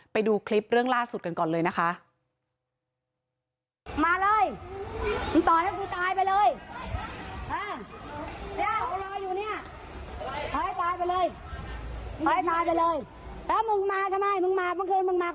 ไปดูคลิปเรื่องล่าสุดกันก่อนเลยนะคะ